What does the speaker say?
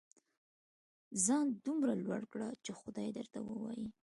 ځان دومره لوړ کړه چې خدای درته ووايي.